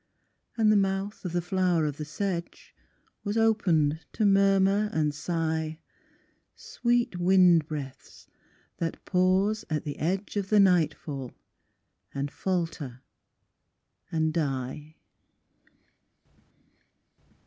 And the mouth of the flower of the sedge Was opened to murmur and sigh, "Sweet wind breaths that pause at the edge Of the nightfall, and falter, and die."